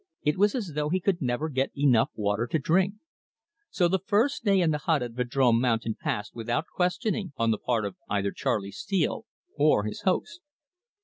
It was as though he could never get enough water to drink. So the first day in the hut at Vadrome Mountain passed without questioning on the part of either Charley Steele or his host.